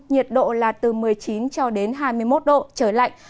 nhiệt độ là từ một mươi chín cho đến hai mươi một độ trời lạnh